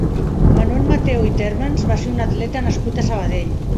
Manuel Mateu i Térmens va ser un atleta nascut a Sabadell.